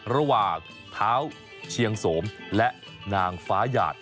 ระหว่างเท้าเชียงสมและนางฟ้าหยาด